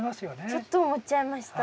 ちょっと思っちゃいました。